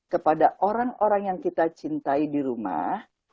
kepada orang orang yang kita cintai di rumah